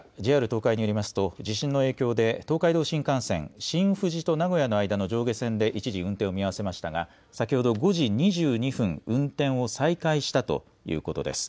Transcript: ＪＲ東海によりますと、地震の影響で、東海道新幹線、新富士と名古屋の間の上下線で一時運転を見合わせましたが、先ほど５時２２分、運転を再開したということです。